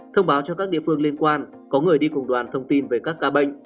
thông báo cho các địa phương liên quan có người đi cùng đoàn thông tin về các ca bệnh